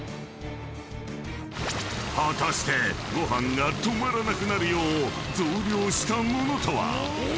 ［果たしてご飯が止まらなくなるよう増量したものとは？］